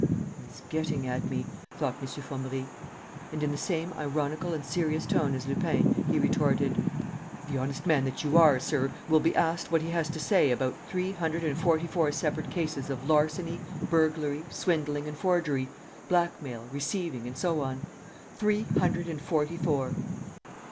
"He's getting at me," thought M. Formerie. And, in the same ironical and serious tone as Lupin, he retorted, "The honest man that you are, sir, will be asked what he has to say about three hundred and forty four separate cases of larceny, burglary, swindling and forgery, blackmail, receiving and so on. Three hundred and forty four!"